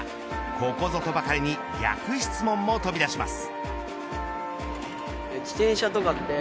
ここぞとばかりに逆質問も飛び出します。